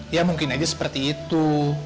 ya mungkin aja seperti itu